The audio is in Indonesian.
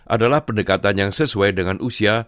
adalah pendekatan yang sesuai dengan usia